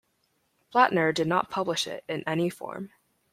Blattner did not publish it in any form.